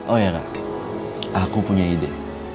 oh ya kak aku punya ide